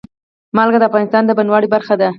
نمک د افغانستان د بڼوالۍ برخه ده.